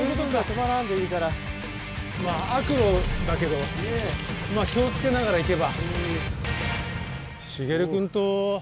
まぁ悪路だけど気を付けながら行けば。